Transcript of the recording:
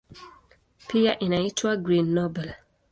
Pia inaitwa "Green Nobel".